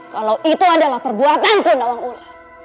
kalau itu adalah perbuatanku nawangul